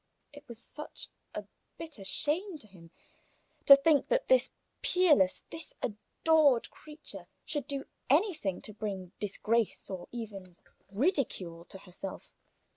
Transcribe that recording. It was such bitter shame to him to think that this peerless, this adored creature should do anything to bring disgrace or even ridicule upon herself.